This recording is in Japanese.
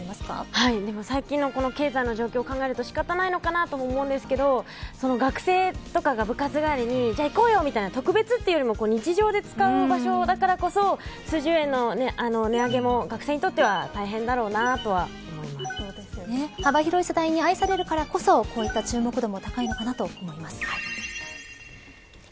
最近の経済の状況を考えると仕方ないのかなとも思うんですが学生とかが、部活帰りにじゃあ行こうよって特別というよりも日常で使う場所だからこそ数十円の値上げも学生にとっては幅広い世代に愛されるからこそこういった注目度も高いのかなと思います。